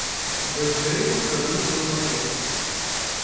Без крику крадуть слимаки